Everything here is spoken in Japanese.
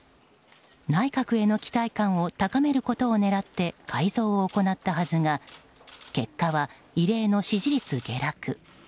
内閣への期待感を高めることを狙って改造を行ったはずが結果は異例の支持率下落。